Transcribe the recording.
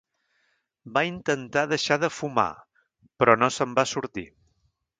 Va intentar deixar de fumar, però no se'n va sortir.